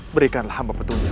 berikanlah hamba petunjuk